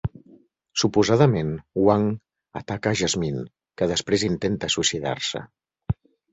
Suposadament, Wang ataca a Jasmine, que després intenta suïcidar-se.